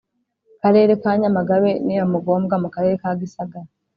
Karere ka Nyamagabe n iya Mugombwa mu Karere ka Gisagara